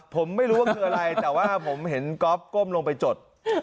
ผมไม่รู้ว่าคืออะไรแต่ว่าผมเห็นก๊อฟก้มลงไปจด